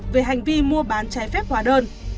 về hành vi mua bán trái phép hóa đơn